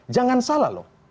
jangan salah loh